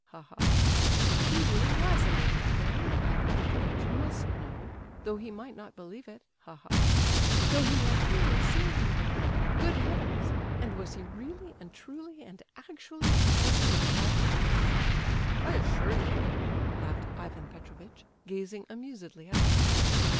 (Ha, ha.) He really was an idiot then, Ivan Petrovitch must know, though he might not believe it. (Ha, ha.) So he had really seen him there! Good heavens! And was he really and truly and actually a cousin of Pavlicheff's? "I assure you of it," laughed Ivan Petrovitch, gazing amusedly at the prince.